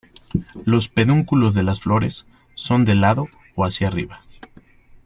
Los pedúnculos de las flores son de lado o hacia arriba.